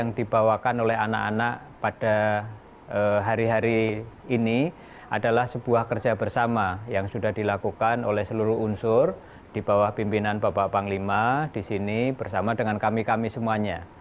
yang dibawakan oleh anak anak pada hari hari ini adalah sebuah kerja bersama yang sudah dilakukan oleh seluruh unsur di bawah pimpinan bapak panglima di sini bersama dengan kami kami semuanya